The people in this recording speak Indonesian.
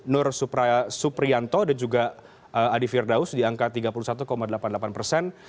nur suprianto dan juga adi firdaus di angka tiga puluh satu delapan puluh delapan persen